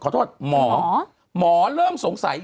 คุณหนุ่มกัญชัยได้เล่าใหญ่ใจความไปสักส่วนใหญ่แล้ว